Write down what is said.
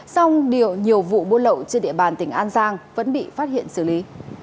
xong điều nhiều vụ buôn lậu trên địa bàn tỉnh an giang vẫn bị phát hiện xử lý